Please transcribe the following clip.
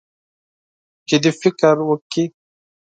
جدي فکر وکړي.